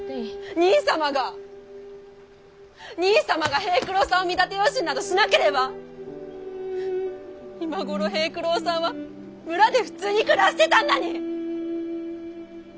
兄さまが兄さまが平九郎さんを見立て養子になどしなければ今頃平九郎さんは村で普通に暮らしてたんだに！